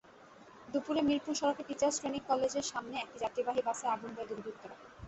দুপুরে মিরপুর সড়কের teachers training কলেজের সামনে একটি যাত্রীবাহী বাসে আগুন দেয় দুর্বৃত্তরা।